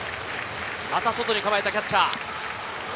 また外に構えたキャッチャー。